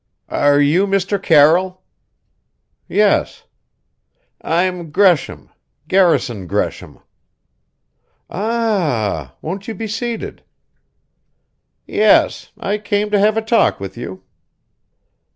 "Are you Mr. Carroll?" "Yes." "I'm Gresham Garrison Gresham." "A a ah! Won't you be seated!" "Yes. I came to have a talk with you."